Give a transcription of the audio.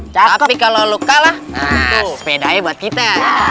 tapi kalo lu kalah sepedanya buat kita